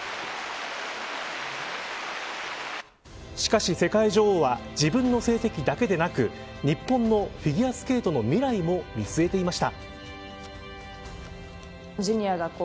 しかし、世界女王は自分の成績だけでなく日本のフィギュアスケートの未来も見据えていました。